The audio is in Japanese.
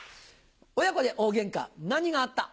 親子で大ゲンカ何があった？